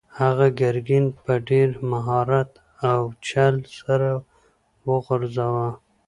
هغه ګرګین په ډېر مهارت او چل سره وغولاوه.